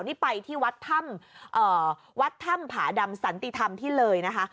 นี่ไปที่วัดถ้ำวัดถ้ำผาดำสันติธรรมที่เลยนะคะ